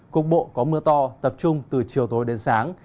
cục bộ có mưa to tập trung từ chiều tối đến sáng